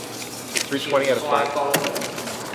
象山公園